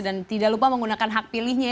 dan tidak lupa menggunakan hak pilihnya